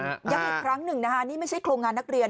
ย้ำอีกครั้งหนึ่งนะคะนี่ไม่ใช่โครงงานนักเรียน